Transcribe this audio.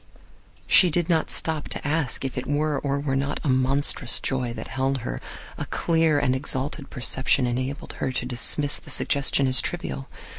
She did not stop to ask if it were or were not a monstrous joy that held her. A clear and exalted perception enabled her to dismiss the suggestion as trivial.